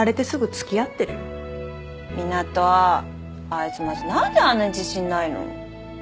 あいつマジ何であんなに自信ないの？